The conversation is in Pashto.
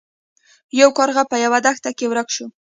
یو کارغه په یوه دښته کې ورک شو.